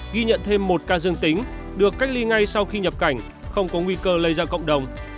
ghi nhận thêm một ca dương tính được cách ly ngay sau khi nhập cảnh không có nguy cơ lây ra cộng đồng